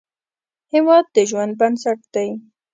هیواد د ژوند بنسټ دی